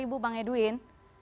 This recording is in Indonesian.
ibu bang edwin